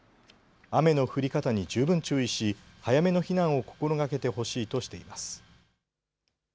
雨の降り方に十分注意し早めの避難を心がけてほしいとしています。